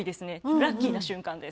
ラッキーな瞬間です。